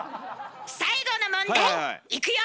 最後の問題いくよ！